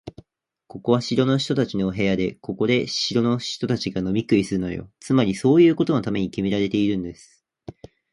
ここは城の人たちの部屋で、ここで城の人たちが飲み食いするのよ。つまり、そういうことのためにきめられているんです。